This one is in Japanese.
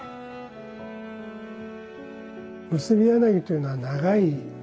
結柳というのは長い柳で。